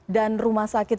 dan rumah sakit